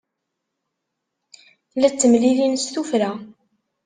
La ttemlilin s tuffra.